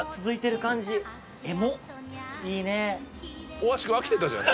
大橋君飽きてたじゃん。